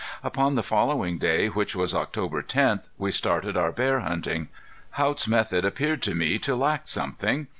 Upon the following day, which was October tenth, we started our bear hunting. Haught's method appeared to me to lack something.